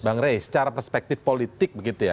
bang rey secara perspektif politik begitu ya